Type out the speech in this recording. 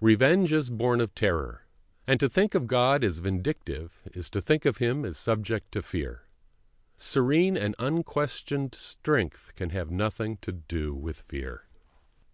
Revenge is born of terror, and to think of God as vindictive is to think of Him as subject to fear. Serene and unquestioned strength can have nothing to do with fear.